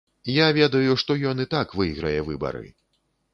Я ведаю, што ён і так выйграе выбары!